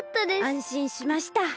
あんしんしました。